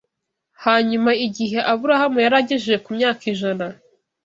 Hanyuma igihe Aburahamu yari agejeje ku myaka ijana